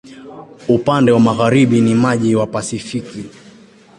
Upande wa magharibi ni maji wa Pasifiki.